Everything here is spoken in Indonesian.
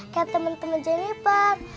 kayak temen temen jennifer